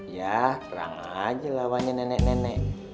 ya terang aja lawannya nenek nenek